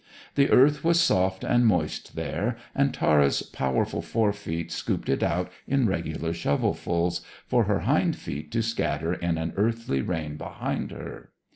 The earth was soft and moist there, and Tara's powerful fore feet scooped it out in regular shovelfuls, for her hind feet to scatter in an earthy rain behind her.